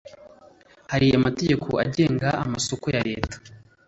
Hari amategeko agenga amasoko ya Leta .